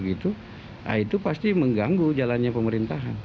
nah itu pasti mengganggu jalannya pemerintahan